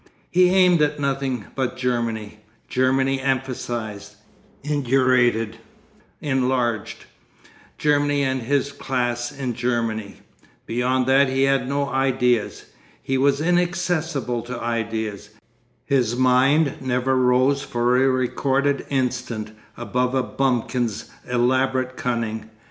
He aimed at nothing but Germany, Germany emphasised, indurated, enlarged; Germany and his class in Germany; beyond that he had no ideas, he was inaccessible to ideas; his mind never rose for a recorded instant above a bumpkin's elaborate cunning.